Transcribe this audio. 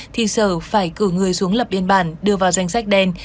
thì sở phải cử người xuống lập biên bản đưa vào danh sách đen